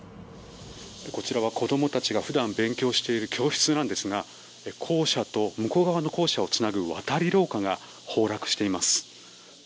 こちらは子供たちが普段勉強している教室なんですが校舎と向こう側の校舎をつなぐ渡り廊下が崩落しています。